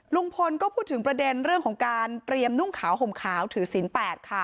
ลุงพลก็พูดถึงประเด็นเรื่องของการเตรียมนุ่งขาวห่มขาวถือศีล๘ค่ะ